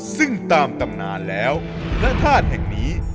ซึ่งตามตำนานแล้วพระธาตุแห่งนี้